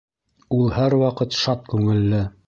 Ул һәр ваҡыт шат күңелле.